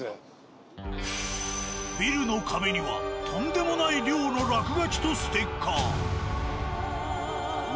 ビルの壁にはとんでもない量の落書きとステッカー。